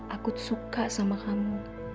aku suka sama kamu